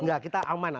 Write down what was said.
enggak kita aman lah